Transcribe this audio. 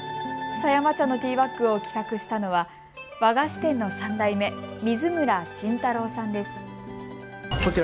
狭山茶のティーバッグを企画したのは和菓子店の３代目、水村真太郎さんです。